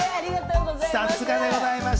さすがでございます。